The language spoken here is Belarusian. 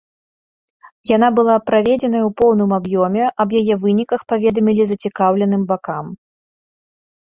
Яна была праведзеная ў поўным аб'ёме, аб яе выніках паведамілі зацікаўленым бакам.